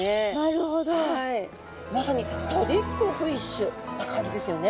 まさにトリックフィッシュな感じですよね。